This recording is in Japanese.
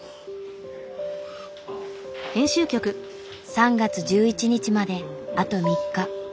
３月１１日まであと３日。